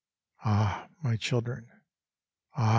Ah ! my children 1 Ah